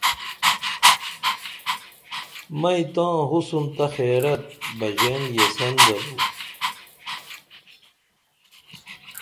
مئیں تا حُسن تہ خیرت بژین ییسن درو